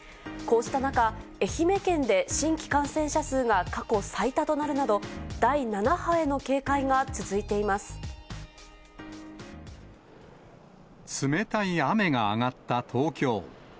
こうした中、愛媛県で新規感染者数が過去最多となるなど、第７波への警戒が続冷たい雨が上がった東京。